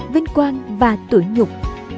vinh quang và tuổi nhục